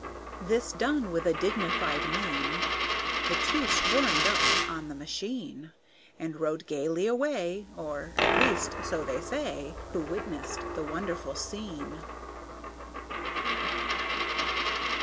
This done, with a dignified mien The two squirmed up on the machine, And rode gayly away, Or at least, so they say, Who witnessed the wonderful scene.